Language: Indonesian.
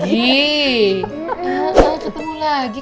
gimana ketemu lagi